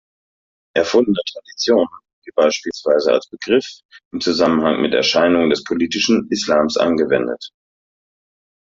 Erfundene Tradition wird beispielsweise als Begriff im Zusammenhang mit Erscheinungen des politischen Islams angewendet.